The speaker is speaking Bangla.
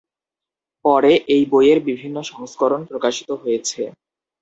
পরে এই বইয়ের বিভিন্ন সংস্করণ প্রকাশিত হয়েছে।